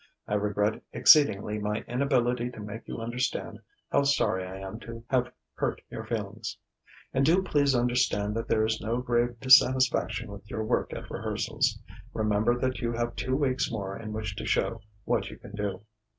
I regret exceedingly my inability to make you understand how sorry I am to have hurt your feelings. "And do please understand that there is no grave dissatisfaction with your work at rehearsals. Remember that you have two weeks more in which to show what you can do.